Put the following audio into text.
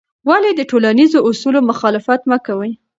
ولې د ټولنیزو اصولو مخالفت مه کوې؟